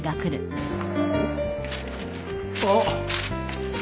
あっ